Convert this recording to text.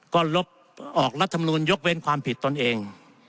ก็ลบออกรัฐมนูลยกเว้นความผิดตนเอง